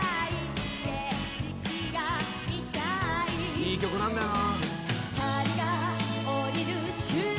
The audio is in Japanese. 「いい曲なんだよな」